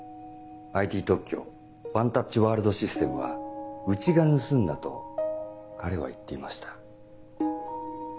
ＩＴ特許ワンタッチワールドシステムはうちが盗んだと彼は言っていました。